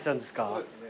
そうですね。